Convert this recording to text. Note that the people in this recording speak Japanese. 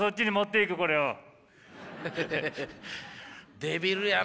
デビルやな。